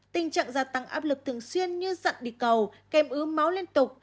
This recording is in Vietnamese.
tình trạng gia tăng áp lực thường xuyên như dặn đi cầu kèm ứ máu liên tục